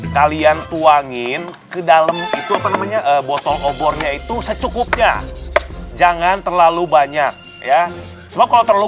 kalian tuangin erin ke dalam botol obornya itu secukupnya jangan terlalu banyak sebab terlalu